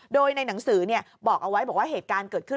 โดยในหนังสือบอกเอาไว้บอกว่าเหตุการณ์เกิดขึ้น